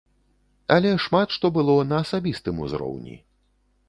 Але шмат што было на асабістым узроўні.